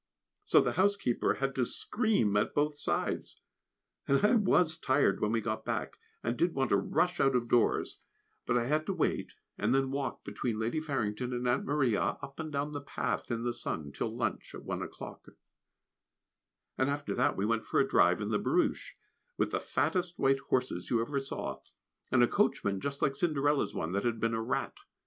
So the housekeeper had to scream at both sides, and I was tired when we got back, and did want to rush out of doors; but I had to wait, and then walk between Lady Farrington and Aunt Maria up and down the path in the sun till lunch at one o'clock; and after that we went for a drive in the barouche, with the fattest white horses you ever saw, and a coachman just like Cinderella's one that had been a rat.